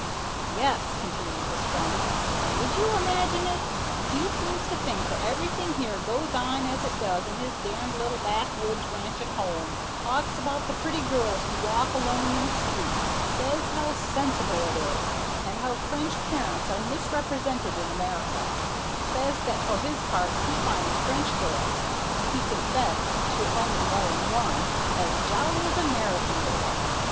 "Yes," continued his friend, "and would you imagine it, he seems to think that everything here goes on as it does in his d d little backwoods ranch at home; talks about the pretty girls who walk alone in the street; says how sensible it is; and how French parents are misrepresented in America; says that for his part he finds French girls, and he confessed to only knowing one, as jolly as American girls.